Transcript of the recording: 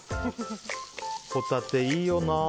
ホタテ、いいよな。